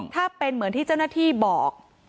ถ้าเป็นเหมือนที่เจ้าหน้าที่บอก